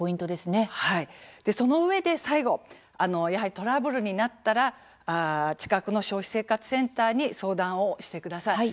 そのうえで最後トラブルになったら近くの消費生活センターに相談してください。